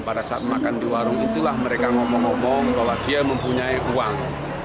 pada saat makan di warung itulah mereka ngomong ngomong bahwa dia mempunyai uang